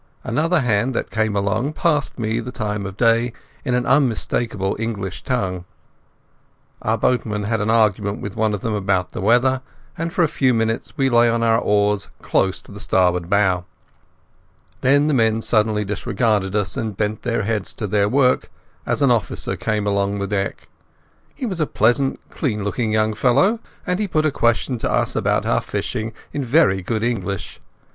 Another hand that came along passed me the time of day in an unmistakable English tongue. Our boatman had an argument with one of them about the weather, and for a few minutes we lay on our oars close to the starboard bow. Then the men suddenly disregarded us and bent their heads to their work as an officer came along the deck. He was a pleasant, clean looking young fellow, and he put a question to us about our fishing in very good English.